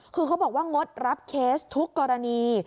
คือเขาบอกว่างดรับเคสทุกกรณี